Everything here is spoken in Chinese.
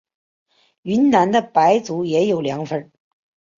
云南的白族也有凉粉。